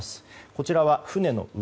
こちらは船の上